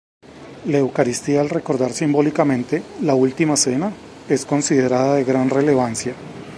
La eucaristía, al recordar simbólicamente La Última Cena, es considerada de gran relevancia.